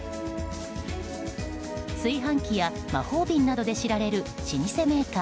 炊飯器や魔法瓶などで知られる老舗メーカー